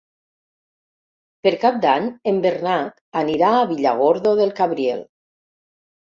Per Cap d'Any en Bernat anirà a Villargordo del Cabriel.